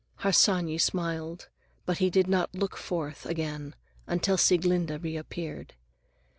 Harsanyi smiled, but he did not look forth again until Sieglinde reappeared.